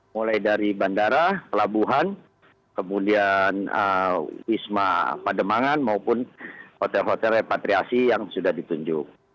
mulai dari bandara pelabuhan kemudian wisma pademangan maupun hotel hotel repatriasi yang sudah ditunjuk